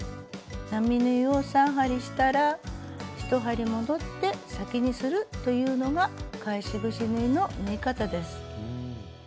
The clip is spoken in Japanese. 並縫いを３針したら１針戻って先にするというのが返しぐし縫いの縫い方です。